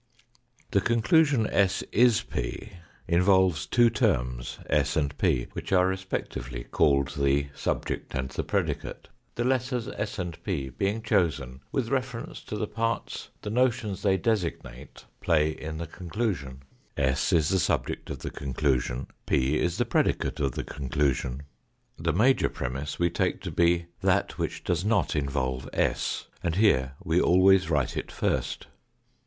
The conclusion s is P involves two terms, s and p, which are respectively called the subject and the predicate, the letters s and P being chosen with reference to the parts the notions they designate play in the conclusion, s is the subject of the con clusion, P is the predicate of the conclusion. The major premiss we take to be, that which does not involve s, and here we always write it first.